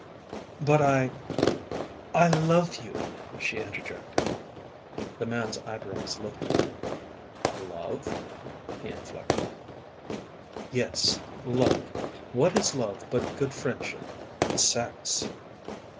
"But I " "I love you!" she interjected. The man's eyebrows lifted. "Love?" he inflected. "Yes, love. What is love but good friendship and sex?"